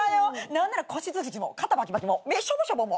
何なら腰ズキズキも肩バキバキも目ショボショボも。